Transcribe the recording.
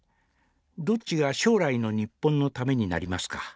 どっちが将来の日本のためになりますか。